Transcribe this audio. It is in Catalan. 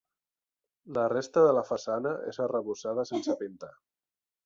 La resta de la façana és arrebossada sense pintar.